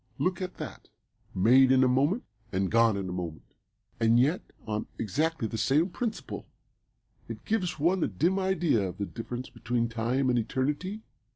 "Look at that made in a moment and gone in a moment and yet on exactly the same principle, it gives one a dim idea of the difference between time and eternity.